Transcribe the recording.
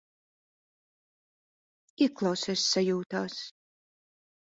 Ieklausies sajūtās.